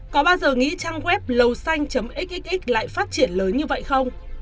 có bao giờ nghĩ trang web lầu xanh xxx lại phát triển lớn như vậy không